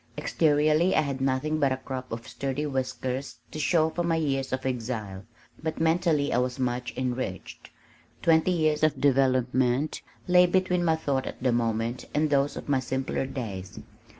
Exteriorly I had nothing but a crop of sturdy whiskers to show for my years of exile but mentally I was much enriched. Twenty years of development lay between my thought at the moment and those of my simpler days.